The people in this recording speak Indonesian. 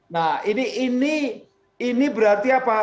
nah ini berarti apa